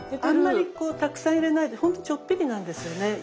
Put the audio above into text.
あんまりこうたくさん入れないでほんとちょっぴりなんですよね。